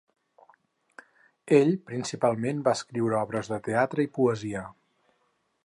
Ell principalment va escriure obres de teatre i poesia.